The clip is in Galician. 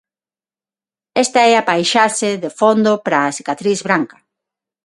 Está é a paisaxe de fondo para "A cicatriz branca".